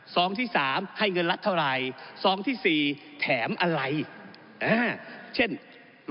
ทรที่๓ให้เงินลัดเท่าไหร่